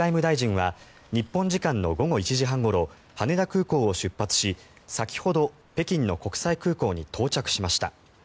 林外務大臣は日本時間の午後１時半ごろ羽田空港を出発し、先ほど北京の国際空港に到着しました。